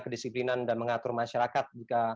kedisiplinan dan mengatur masyarakat